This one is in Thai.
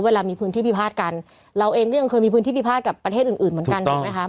เวลามีพื้นที่พิพาทกันเราเองก็ยังเคยมีพื้นที่พิพาทกับประเทศอื่นอื่นเหมือนกันถูกไหมคะ